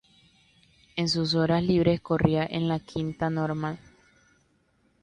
En sus horas libres corría en la Quinta Normal.